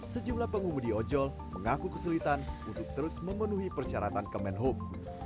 sejumlah pengumudi ojol mengaku kesulitan untuk terus memenuhi persyaratan kemenhub